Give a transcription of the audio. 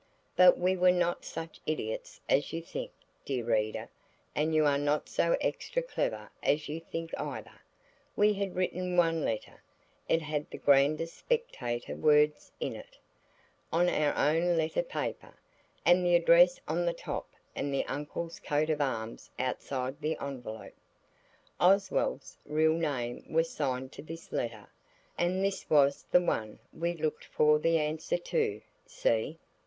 But we were not such idiots as you think, dear reader, and you are not so extra clever as you think either. We had written one letter (it had the grandest Spectator words in it) on our own letter paper, with the address on the top and the uncle's coat of arms outside the envelope. Oswald's real own name was signed to this letter, and this was the one we looked for the answer to. See?